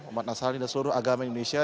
umat nasrani dan seluruh agama indonesia